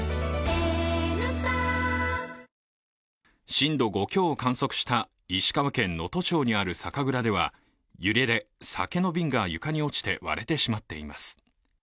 震度５強を観測した石川県能登町にある酒蔵では揺れで酒の瓶が床に落ちて割れてしまっています。